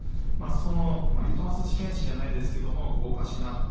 そのリトマス試験紙じゃないですけど、ここおかしいなと。